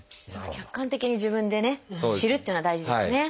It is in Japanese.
客観的に自分でね知るっていうのは大事ですね。